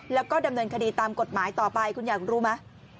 แล้วก็ดำเนินคดีตามกฎหมายต่อไปคุณอยากรู้ไหม